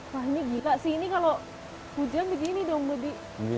wah ini gila sih ini kalau hujan begini dong budi